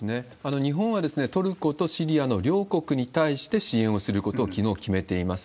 日本はトルコとシリアの両国に対して支援をすることをきのう決めています。